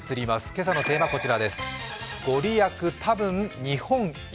今朝のテーマはこちら。